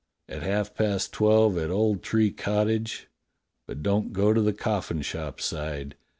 "At half past twelve at Old Tree Cottage; but don't go to the coffin shop side.